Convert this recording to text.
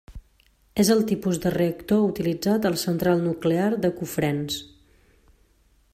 És el tipus de reactor utilitzat a la central nuclear de Cofrents.